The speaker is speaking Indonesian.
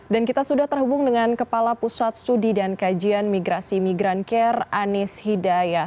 dan kita sudah terhubung dengan kepala pusat studi dan kajian migrasi migrancare anies hidayah